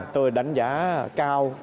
tôi đánh giá cao